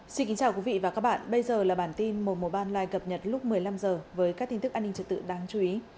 xin kính chào quý vị và các bạn bây giờ là bản tin mùa mùa ban online cập nhật lúc một mươi năm h với các tin tức an ninh trật tự đáng chú ý